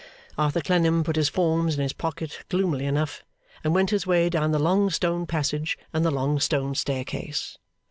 Arthur Clennam put his forms in his pocket gloomily enough, and went his way down the long stone passage and the long stone staircase.